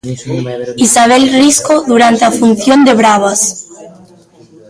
Isabel Risco durante a función de Bravas.